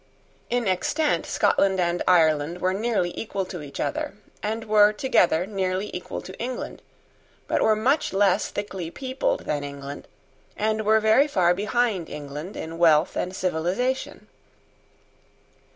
In extent Scotland and Ireland were nearly equal to each other, and were together nearly equal to England, but were much less thickly peopled than England, and were very far behind England in wealth and civilisation.